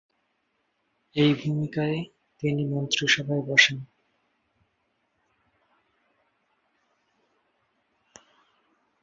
এই ভূমিকায় তিনি মন্ত্রিসভায় বসেন।